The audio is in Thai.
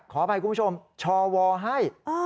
ขอไปคุณผู้ชมช่อวอลให้